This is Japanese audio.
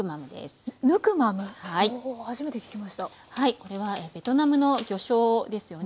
これはベトナムの魚醤ですよね。